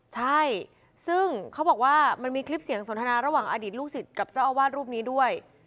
ใช่ซึ่งเขาบอกว่ามันมีคลิปเสียงสนทนาระหว่างอดีตลูกศิษย์กับเจ้าอาวาสรูปนี้ด้วย